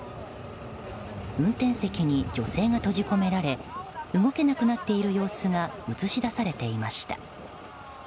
運転席に女性が閉じ込められ動けなくなっている様子が映し出されていました。